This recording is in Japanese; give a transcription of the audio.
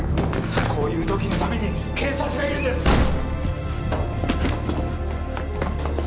こういう時のために警察がいるんです！